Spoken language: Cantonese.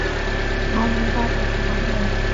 我唔再同你講嘢